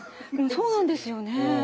そうなんですよねえ。